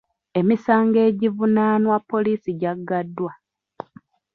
Emisango egimuvunaanwa poliisi gyagaddwa.